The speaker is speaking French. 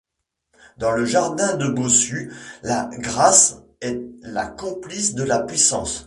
Dans le jardin de Bossut, la grâce est la complice de la puissance.